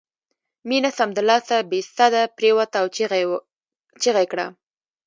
مينه سمدلاسه بې سده پرېوته او چيغه یې کړه